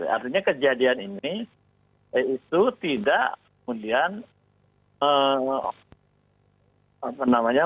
artinya kejadian ini itu tidak kemudian apa namanya